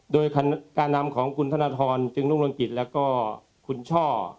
โดยการนำของคุณธนทรจึงรุ่งเรืองกิจแล้วก็คุณช่อ